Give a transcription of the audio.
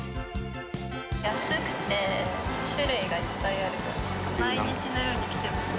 安くて種類がいっぱいあるから、毎日のように来てます。